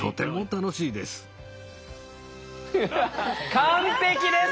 完璧です。